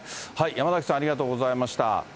山崎さん、ありがとうございました。